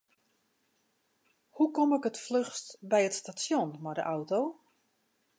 Hoe kom ik it fluchst by it stasjon mei de auto?